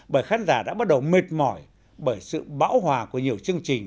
bởi khán giả đã bắt đầu mệt mỏi bởi sự bão hòa của nhiều chương trình